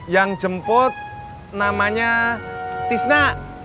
yang jemput namanya tasna